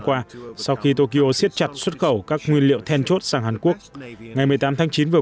qua sau khi tokyo siết chặt xuất khẩu các nguyên liệu then chốt sang hàn quốc ngày một mươi tám tháng chín vừa